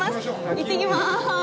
行ってきます！